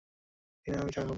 টিনা, - আমিও চা খাবো।